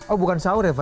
oh bukan sahur ya pak